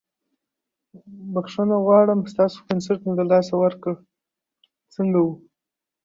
بخښنه غواړم ستاسو کنسرت مې له لاسه ورکړ، څنګه وه؟